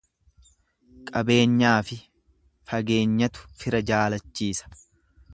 Qabeenyaafi fageenyatu fira jaalachiisa.